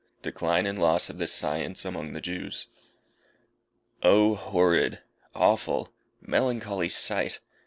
DECLINE AND LOSS OF THIS SCIENCE AMONG THE JEWS. O horrid! awful! melancholy sight!